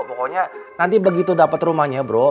pokoknya nanti begitu dapat rumahnya bro